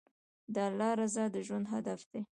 د الله رضا د ژوند هدف دی.